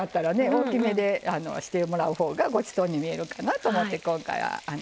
大きめでしてもらうほうがごちそうに見えるかなと思って今回は切ってません。